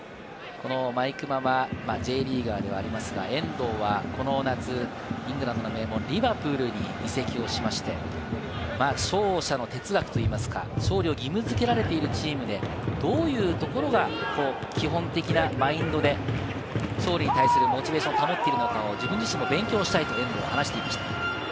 毎熊はＪリーガーではありますが、遠藤は、この夏、イングランドの名門リバプールに移籍をして、勝者の哲学、勝利を義務付けられているチームで、どういうところが基本的なマインドで、勝利に対するモチベーションを保っているか、自分自身も勉強したいと話していました。